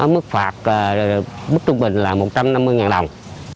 mức phạt mức trung bình là một trăm năm mươi đồng